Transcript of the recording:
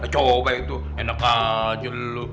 coba itu enak aja dulu